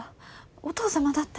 お義父様だって。